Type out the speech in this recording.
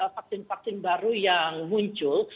vaksin vaksin baru yang muncul